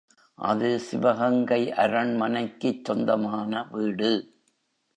அது, சிவகங்கை அரண்மனைக்குச் சொந்தமான வீடு.